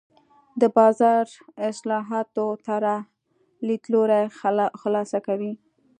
د بازار اصلاحاتو طراح لیدلوری خلاصه کوي.